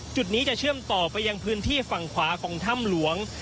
จุดนี้จะเชื่อมต่อไปยังพื้นที่ฝั่งขวาของถ้ำหลวง